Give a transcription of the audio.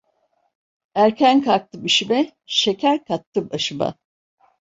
Erken kalktım işime, şeker kattım aşıma.